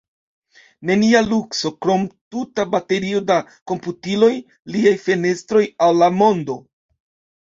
Nenia lukso, krom tuta baterio da komputiloj – liaj fenestroj al la mondo.